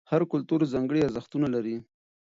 هر کلتور ځانګړي ارزښتونه لري.